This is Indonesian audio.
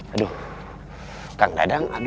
aduh kang dadang